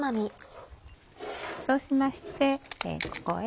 そうしましてここへ。